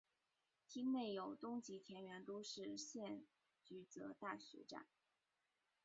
町内有东急田园都市线驹泽大学站。